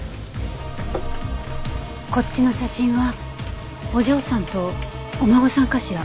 こっちの写真はお嬢さんとお孫さんかしら？